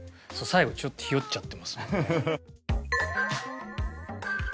最後ちょっとひよっちゃってますもんね。